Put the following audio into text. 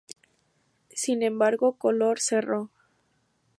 Sin embargo, "Color" cerró.